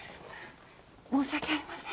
申し訳ありません。